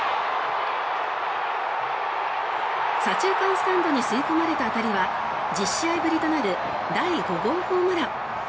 左中間スタンドに吸い込まれた当たりは１０試合ぶりとなる第５号ホームラン。